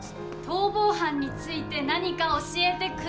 逃亡犯について何か教えて下さい。